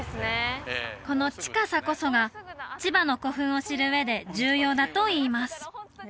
この近さこそが千葉の古墳を知る上で重要だといいます